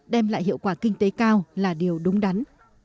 đem lại hiệu quả kinh tế cao là điều đúng đắn